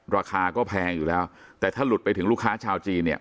ราคาก็แพงอยู่แล้วแต่ถ้าหลุดไปถึงลูกค้าชาวจีนเนี่ย